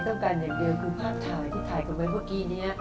ต้องการอย่างเดียวคือภาพถ่ายที่ถ่ายกันไว้พวกนี้